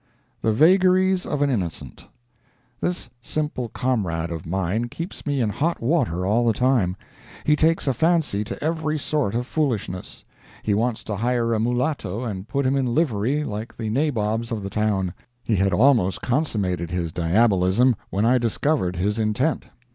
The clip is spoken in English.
THE VAGARIES OF AN INNOCENT This simple comrade of mine keeps me in hot water all the time. He takes a fancy to every sort of foolishness. He wants to hire a mulatto and put him in livery, like the nabobs of the town. He had almost consummated his diabolism when I discovered his intent.